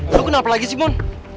lu kenapa lagi sih mon